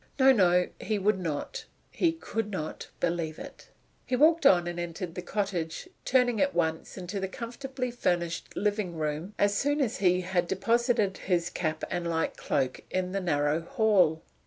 No, no; he would not, he could not believe it! He walked on and entered the cottage, turning at once into the comfortably furnished living room as soon as he had deposited his cap and light cloak in the narrow hall.